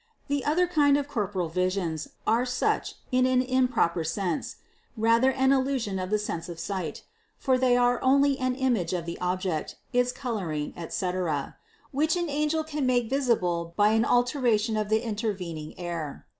The other kind of corporeal visions are such in an improper sense, rather an illusion of the sense of sight ; for they are only an image of the object, its coloring, etc., which an angel can make visible by an alteration of the intervening air.